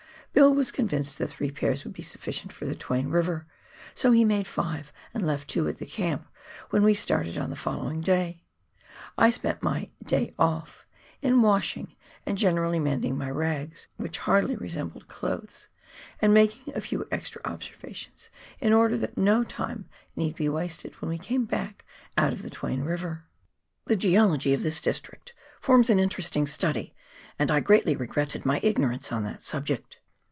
Bill was convinced that three pairs would be suflBcient for the Twain River, so he made five, and left two at the camp when we started on the following day. I spent my " day off " in washing, and generally mending my rags, which hardly resembled clothes, and making a few extra observations in order that no time need be wasted when we came back out of the Twain River. The geology of this district forms an interesting study, and I greatly regretted my ignorance on that subject.